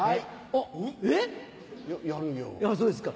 あっそうですか。